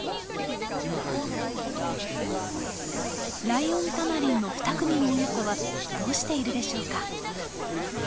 ライオンタマリンの二組の親子はどうしているでしょうか。